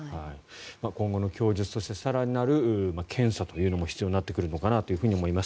今後の供述そして更なる検査というのも必要になってくるのかなと思います。